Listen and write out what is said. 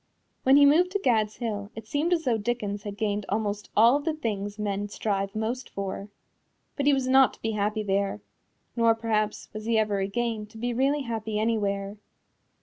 When he moved to Gad's Hill it seemed as though Dickens had gained almost all of the things men strive most for. But he was not to be happy there nor, perhaps, was he ever again to be really happy anywhere.